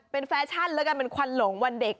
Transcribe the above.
เป็นแฟชั่นแล้วกันเป็นควันหลงวันเด็ก